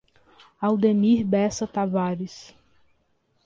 Aldemir Bessa Tavares